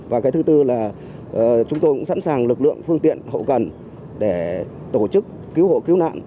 và cái thứ tư là chúng tôi cũng sẵn sàng lực lượng phương tiện hậu cần để tổ chức cứu hộ cứu nạn